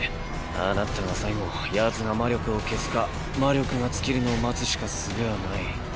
ああなったが最後ヤツが魔力を消すか魔力が尽きるのを待つしか術はない。